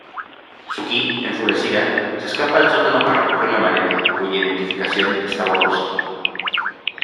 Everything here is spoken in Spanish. Sookie, enfurecida, se escapa al sótano para recoger la maleta, cuya identificación está borrosa.